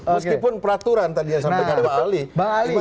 meskipun peraturan tadi yang disampaikan pak ali